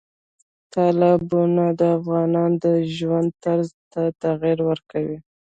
تالابونه د افغانانو د ژوند طرز ته تغیر ورکوي.